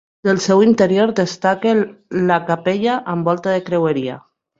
Del seu interior destaca la capella amb volta de creueria.